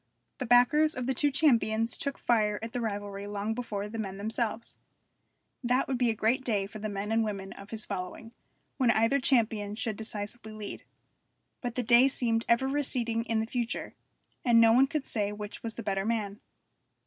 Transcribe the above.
The backers of the two champions took fire at the rivalry long before the men themselves. That would be a great day for the men and women of his following, when either champion should decisively lead. But the day seemed ever receding in the future, and no one could say which was the better man.